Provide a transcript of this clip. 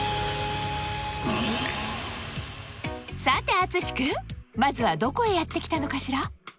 さて淳君まずはどこへやって来たのかしら？